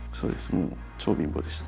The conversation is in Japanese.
もう超貧乏でした。